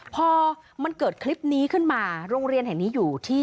พอมันเกิดคลิปนี้ขึ้นมาโรงเรียนแห่งนี้อยู่ที่